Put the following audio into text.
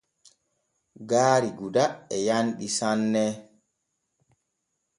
Gaari Gouda e yanɗi sanne.